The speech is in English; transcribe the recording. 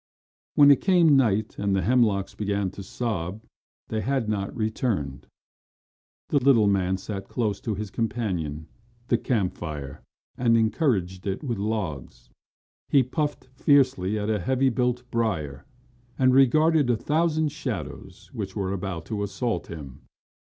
When it came night and the hemlocks began to sob they had not returned. The little man sat close to his companion, the campfire, and encouraged it with logs. He puffed fiercely at a heavy built brier, and regarded a thousand shadows which were about to assault him.